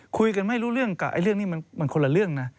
คุยกันไม่รู้เรื่องกับเรื่องนี้มันคนละเรื่องนะ